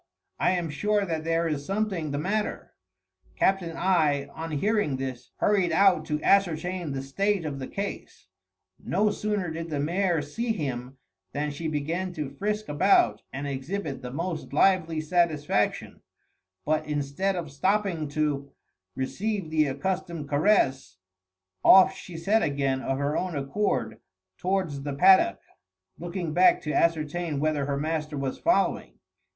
I am sure that there is something the matter." Captain I on hearing this hurried out to ascertain the state of the case. No sooner did the mare see him than she began to frisk about and exhibit the most lively satisfaction; but instead of stopping to receive the accustomed caress, off she set again of her own accord towards the paddock, looking back to ascertain whether her master was following.